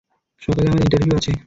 সকালে আমার ইন্টারভিউ আছে।